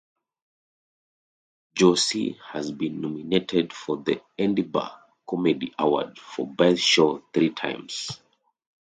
Josie has been nominated for the Edinburgh Comedy Award for Best Show three times.